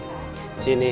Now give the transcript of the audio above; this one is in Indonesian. sini pakai celana dulu